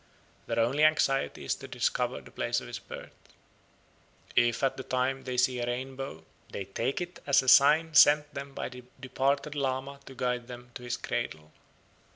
Their only anxiety is to discover the place of his birth. If at this time they see a rainbow they take it as a sign sent them by the departed Lama to guide them to his cradle.